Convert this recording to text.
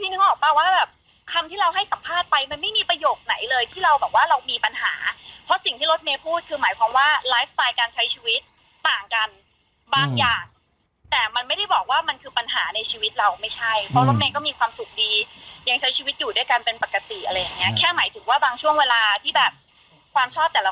นึกออกป่ะว่าแบบคำที่เราให้สัมภาษณ์ไปมันไม่มีประโยคไหนเลยที่เราแบบว่าเรามีปัญหาเพราะสิ่งที่รถเมย์พูดคือหมายความว่าไลฟ์สไตล์การใช้ชีวิตต่างกันบางอย่างแต่มันไม่ได้บอกว่ามันคือปัญหาในชีวิตเราไม่ใช่เพราะรถเมย์ก็มีความสุขดียังใช้ชีวิตอยู่ด้วยกันเป็นปกติอะไรอย่างเงี้แค่หมายถึงว่าบางช่วงเวลาที่แบบความชอบแต่ละ